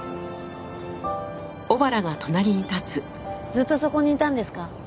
ずっとそこにいたんですか？